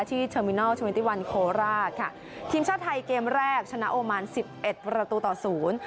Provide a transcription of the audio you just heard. ที่เธอมมินอลโคราค่ะทีมชาวไทยเกมแรกชนะโอมานสิบเอ็ดประตูต่อศูนย์